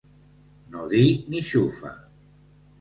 No dir ni xufa.